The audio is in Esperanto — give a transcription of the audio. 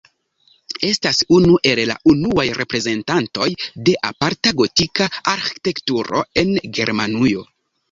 Estas unu el la unuaj reprezentantoj de aparta gotika arĥitekturo en Germanujo.